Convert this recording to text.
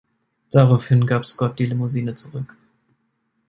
Daraufhin gab Scott die Limousine zurück.